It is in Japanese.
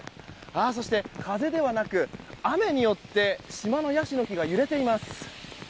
そして、風ではなく雨によって島のヤシの木が揺れています。